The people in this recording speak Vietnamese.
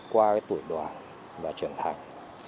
các tuổi đội và trưởng thành